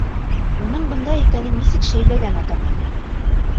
Уның бында икәнен нисек шәйләгән атаман.